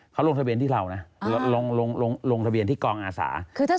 เขาลงทะเบียนที่เรานะลงทะเบียนที่กองอาสา